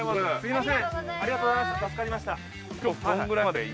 すみません。